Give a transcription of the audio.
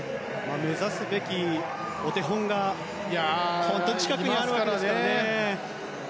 目指すべきお手本が近くにいるわけですからね。